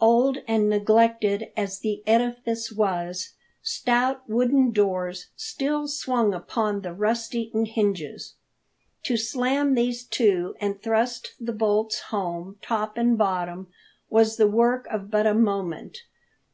Old and neglected as the edifice was, stout wooden doors still swung upon the rust eaten hinges. To slam these to and thrust the bolts home, top and bottom, was the work of but a moment.